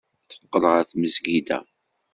Teqqel ɣer tmesgida.